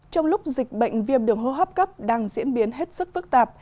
trong lúc dịch bệnh viêm đường hô hấp cấp đang diễn biến hết sức phức tạp